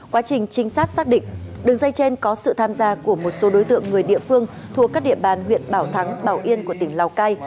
quá trình trinh sát xác định đường dây trên có sự tham gia của một số đối tượng người địa phương thuộc các địa bàn huyện bảo thắng bảo yên của tỉnh lào cai